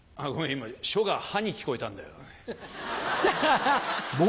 今「しょ」が「は」に聞こえたんだよ。